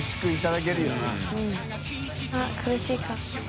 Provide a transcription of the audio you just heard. あっ苦しいか？